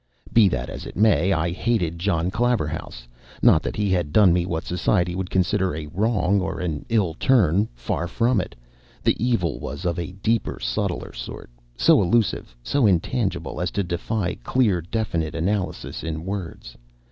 Be that as it may, I hated John Claverhouse. Not that he had done me what society would consider a wrong or an ill turn. Far from it. The evil was of a deeper, subtler sort; so elusive, so intangible, as to defy clear, definite analysis in words.